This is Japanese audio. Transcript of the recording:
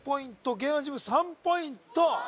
芸能人チーム３ポイント